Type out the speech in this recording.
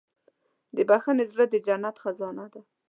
د بښنې زړه د جنت خزانه ده.